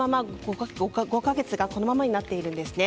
５か月、このままになっています。